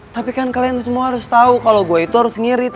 tapi kan kalian semua harus tahu kalau gue itu harus ngirit